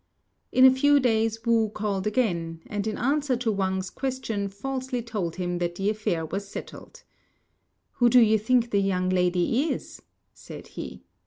In a few days Wu called again, and in answer to Wang's questions falsely told him that the affair was settled. "Who do you think the young lady is?" said he.